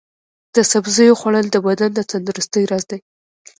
د سبزیو خوړل د بدن د تندرستۍ راز دی.